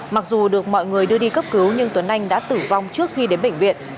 mặc dù được mọi người đưa đi cấp cứu nhưng tuấn anh đã tử vong trước khi đến bệnh viện